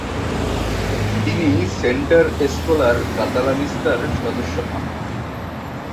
তিনি Centre Escolar কাতালানিস্তার সদস্য হন।